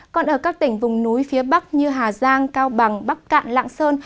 còn ở các tỉnh vùng núi phía bắc như hà giang cao bằng bắc cạn lạng sơn